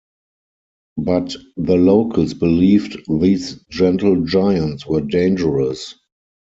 But the locals believed these gentle giants were dangerous.